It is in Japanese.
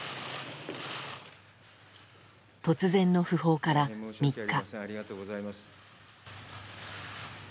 突然の訃報から、３日。